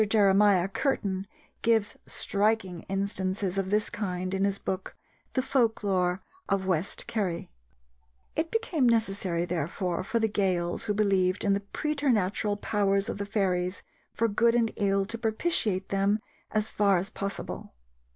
Jeremiah Curtin gives striking instances of this kind in his book, the Folk Lore of West Kerry. It became necessary, therefore, for the Gaels who believed in the preternatural powers of the fairies for good and ill to propitiate them as far as possible.